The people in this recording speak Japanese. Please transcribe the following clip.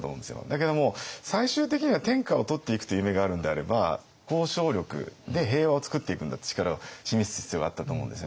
だけども最終的には天下を取っていくという夢があるんであれば交渉力で平和をつくっていくんだって力を示す必要があったと思うんですよね。